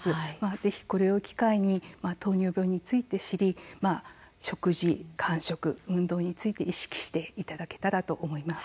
ぜひこれを機会に糖尿病について知り食事、間食、運動について意識をしていただけたらと思います。